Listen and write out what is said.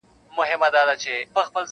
د خان خبره وه د خلکو او د کلي سلا-